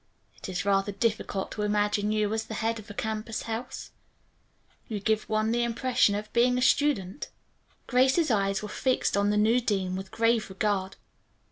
It is rather difficult to imagine you as the head of a campus house. You give one the impression of being a student." Grace's eyes were fixed on the new dean with grave regard.